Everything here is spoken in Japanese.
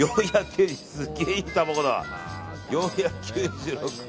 ４９６円。